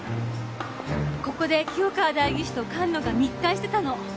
ここで清川代議士と菅野が密会してたの。